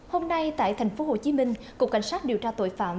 hôm nay tại thành phố hồ chí minh cục cảnh sát điều tra tội phạm